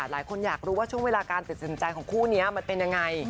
หลายคนอยากรู้ว่าช่วงเวลาการตัดสินใจของคู่นี้มันเป็นยังไง